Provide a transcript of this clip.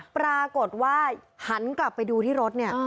ปรากฏว่าหันกลับไปดูที่รถเนี่ย